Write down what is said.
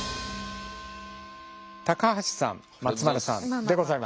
高橋さん松丸さんでございます。